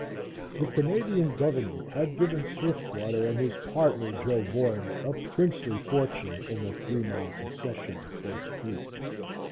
The Canadian government had given Swiftwater and his partner, Joe Boyle, a princely fortune in the three mile concession on Quartz Creek.